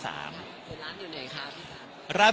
ร้านอยู่ไหนครับ